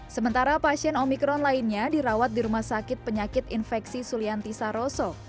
sementara pasien omikron lainnya dirawat di rumah sakit penyakit infeksi sulianti saroso